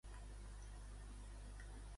I les classes més baixes?